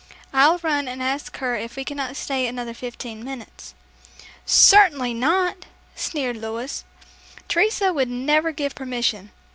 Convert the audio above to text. I'll run and ask her if we cannot stay another fifteen minutes." "Certainly not," sneered Louis. "Teresa would never give permission.